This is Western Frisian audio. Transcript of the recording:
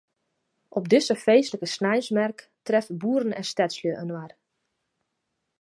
Op dizze feestlike sneinsmerk treffe boeren en stedslju inoar.